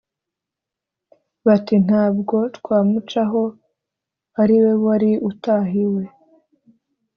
bati: “Nta bwo twamucaho ari we wari utahiwe!”